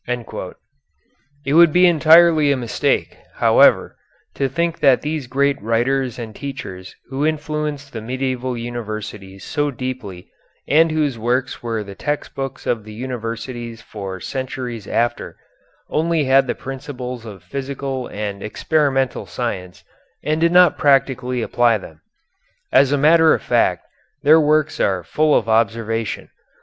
_ It would be entirely a mistake, however, to think that these great writers and teachers who influenced the medieval universities so deeply and whose works were the text books of the universities for centuries after, only had the principles of physical and experimental science and did not practically apply them. As a matter of fact their works are full of observation.